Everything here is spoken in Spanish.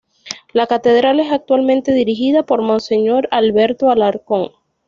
La catedral es actualmente dirigida por Monseñor Alberto Alarcón.